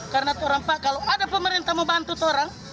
karena kalau ada pemerintah mau bantu orang